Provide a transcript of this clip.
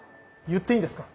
言っていいんですか？